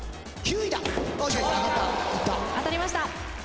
当たりました。